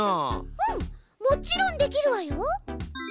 うんもちろんできるわよ。